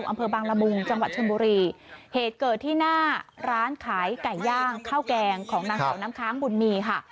อำเภอบางละมุงจังหวัดชนบุรีเหตุเกิดที่หน้าร้านขายไก่ย่างข้าวแกงของนางสาวน้ำค้างบุญมีค่ะ